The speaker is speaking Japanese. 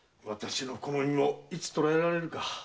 私もいつ捕らえられるか。